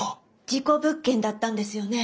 事故物件だったんですよね？